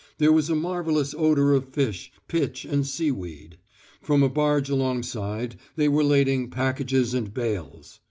There was a marvellous odour of fish, pitch and seaweed. From a barge alongside they were lading packages and bales.